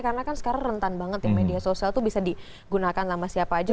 karena kan sekarang rentan banget di media sosial tuh bisa digunakan sama siapa aja